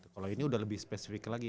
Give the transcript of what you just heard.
kalau ini sudah lebih spesifik lagi